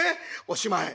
「おしまい」。